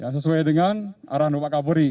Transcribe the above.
sesuai dengan arahan bapak kapolri